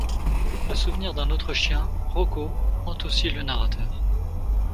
Le souvenir d'un autre chien, Rocco hante aussi le narrateur.